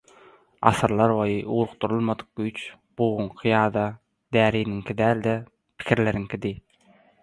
Asyrlar boýy ugrukdyrylmadyk güýç buguňky ýa-da däriniňki däl-de pikirleriňkidi.